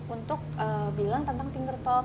untuk bilang tentang finger talk